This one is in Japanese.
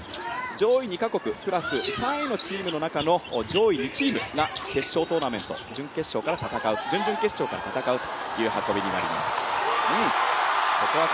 上位２か国プラス３位のチームの中の上位２チームが決勝トーナメント準々決勝から戦うという運びになります。